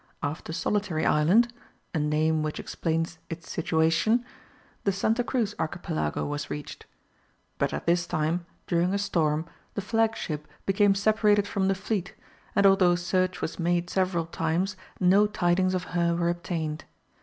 After Solitary Island a name which explains its situation the Santa Cruz archipelago was reached. But at this time, during a storm, the flagship became separated from the fleet, and although search was made several times, no tidings of her were obtained.